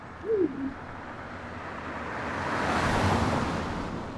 英国骑兵战胜蒙古骑兵。